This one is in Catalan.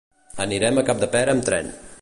Anirem a Capdepera amb tren.